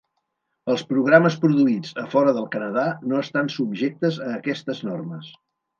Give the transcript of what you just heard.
Els programes produïts a fora del Canadà no estan subjectes a aquestes normes.